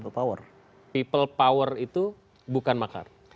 peop people power itu bukan makar